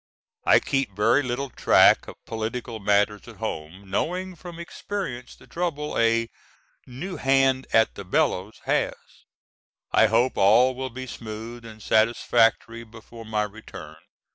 I keep very little track of political matters at home, knowing from experience the trouble a "new hand at the bellows" has. I hope all will be smooth and satisfactory before my return.